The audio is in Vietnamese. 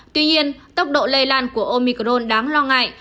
tuy nhiên tốc độ lây lan của omicron đáng lo ngại